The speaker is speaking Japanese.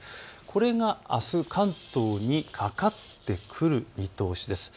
これがあす、関東にかかってくる見通しです。